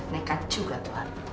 nekat juga tuhan